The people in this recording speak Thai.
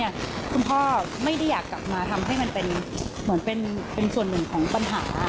คุณพ่อไม่ได้อยากกลับมาทำให้มันเป็นเหมือนเป็นส่วนหนึ่งของปัญหา